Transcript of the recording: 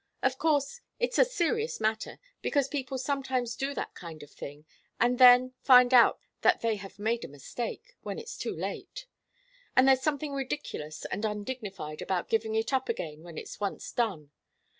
Of course it's a serious matter, because people sometimes do that kind of thing and then find out that they have made a mistake when it's too late. And there's something ridiculous and undignified about giving it up again when it's once done.